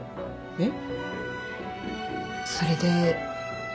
えっ？